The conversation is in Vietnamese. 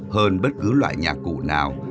hơn bất cứ loại nhà cụ nào